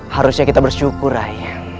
harusnya kita bersyukur rai